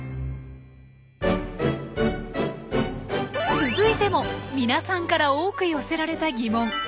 続いても皆さんから多く寄せられた疑問。